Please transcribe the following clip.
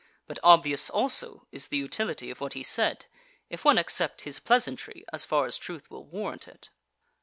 But obvious also is the utility of what he said, if one accept his pleasantry as far as truth will warrant it.